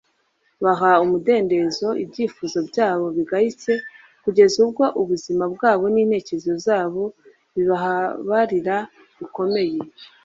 baha umudendezo ibyifuzo byabo bigayitse kugeza ubwo ubuzima bwabo n'intekerezo zabo bihababarira bikomeye